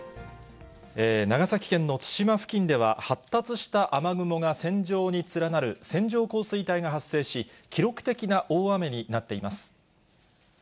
長崎県の対馬付近では、発達した雨雲が線状に連なる、線状降水帯が発生し、記録的な大雨になっています。